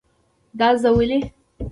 دا زه ولی؟